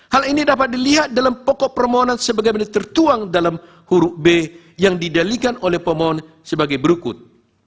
hal ini dapat dilihat dalam pokok permohonan sebagaimana tertuang dalam huruf b yang didalikan oleh pemohon sebagai berikut